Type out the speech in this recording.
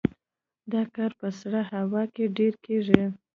دا کار په سړه هوا کې ډیر کیږي